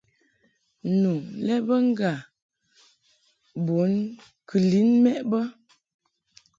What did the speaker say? Nu lɛ bə ŋgâ bun kɨ lin mɛʼ bə.